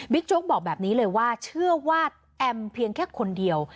โจ๊กบอกแบบนี้เลยว่าเชื่อว่าแอมเพียงแค่คนเดียว